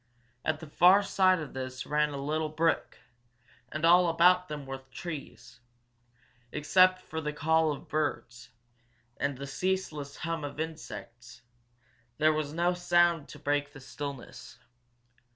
At the far side of this ran a little brook, and all about them were trees. Except for the call of birds, and the ceaseless hum of insects, there was no sound to break the stillness.